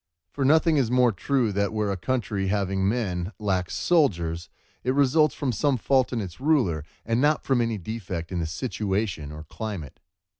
For nothing is more true than that where a country, having men, lacks soldiers, it results from some fault in its ruler, and not from any defect in the situation or climate.